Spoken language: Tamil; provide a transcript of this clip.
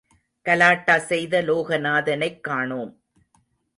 கலாட்டா செய்த லோகநாதனைக் காணோம்.